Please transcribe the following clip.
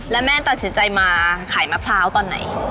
แล้วแม่ตัดสินใจมาขายมะพร้าวตอนไหน